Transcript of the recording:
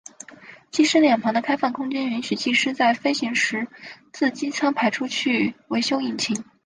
机身两旁的开放空间允许技师在飞行时自机舱爬出去维修引擎。